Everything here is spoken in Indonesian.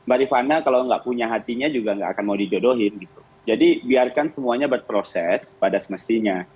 artinya juga gak akan mau dijodohin jadi biarkan semuanya berproses pada semestinya